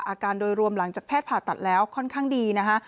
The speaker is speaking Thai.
อาการโดยรวมหลังจากแพทย์ผ่าตัดแล้วค่อนข้างดีนะคะ